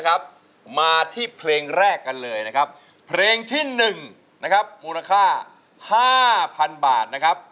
แค่นี้พอนั่นนั่นสิสั้นมากสั้นจัง